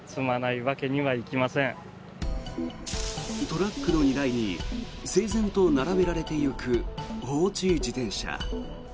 トラックの荷台に整然と並べられてゆく放置自転車。